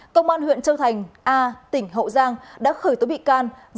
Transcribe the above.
công an huyện châu thành a tỉnh hậu giang đã khởi tố bị can